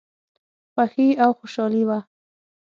خوښي او خوشالي وه.